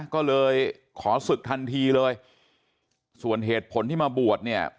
ก็เลยขอศึกทันทีเลยส่วนเหตุผลที่มาบวชเนี่ย